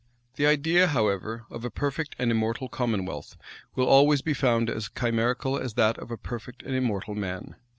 The idea however, of a perfect and immortal commonwealth, will always be found as chimerical as that of a perfect and immortal man.